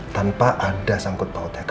tanpa ada sangkut bautnya ke andi